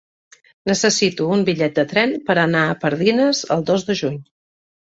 Necessito un bitllet de tren per anar a Pardines el dos de juny.